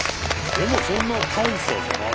でもそんな大差じゃない。